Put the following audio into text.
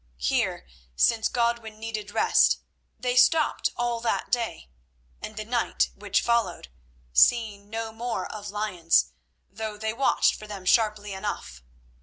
Here, since Godwin needed rest, they stopped all that day and the night which followed, seeing no more of lions, though they watched for them sharply enough.